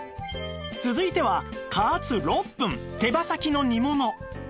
続いては加圧６分手羽先の煮物